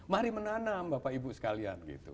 mari menanam bapak ibu sekalian gitu